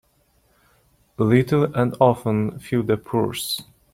Little and often fill the purse.